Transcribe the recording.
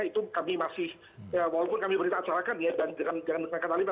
itu kami masih walaupun kami berita acara kan ya dan jangan mengenalkan